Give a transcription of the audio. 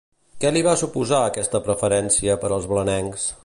Què li va suposar aquesta preferència per als blanencs?